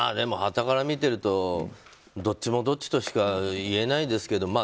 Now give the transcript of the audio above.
はたから見ているとどっちもどっちとしか言えないですけど。